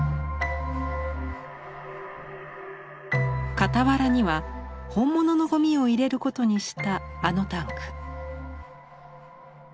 傍らには本物のゴミを入れることにしたあのタンク。